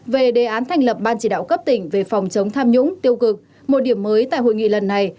về đề án thành lập ban chỉ đạo cấp tỉnh về phòng chống tham nhũng tiêu cực một điểm mới tại hội nghị lần này